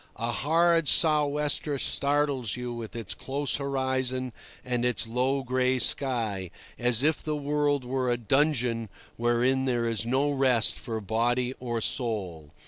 A hard sou' wester startles you with its close horizon and its low gray sky, as if the world were a dungeon wherein there is no rest for body or soul.